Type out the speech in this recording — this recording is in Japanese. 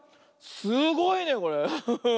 すごいねこれ。